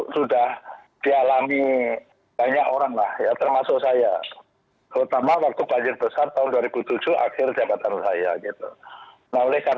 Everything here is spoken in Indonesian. masyarakat harus bertanggung jawab juga terhadap banjir